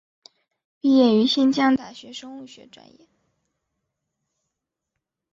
毕业于新疆大学生物学专业。